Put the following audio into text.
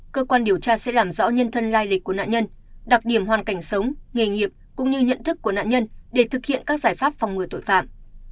cơ quan điều tra sẽ làm rõ nhân thân lai lịch của nạn nhân đặc điểm hoàn cảnh sống nghề nghiệp cũng như nhận thức của nạn nhân để thực hiện các giải pháp phòng ngừa tội phạm